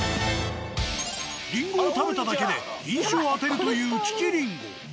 りんごを食べただけで品種を当てるという利きりんご。